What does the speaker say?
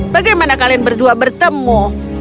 bagaimana kalian berdua bertemu